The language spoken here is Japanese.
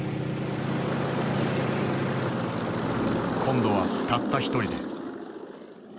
今度はたった一人で。